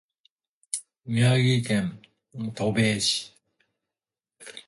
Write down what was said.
宮城県登米市